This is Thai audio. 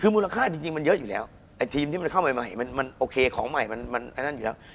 คือมูลค่าจริงมันเยอะอยู่แล้วไอ้ทีมที่มันเข้าใหม่มันโอเคของใหม่มันไอ้นั่นอยู่แล้ว